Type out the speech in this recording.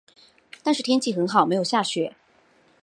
但是天气很好没有下雪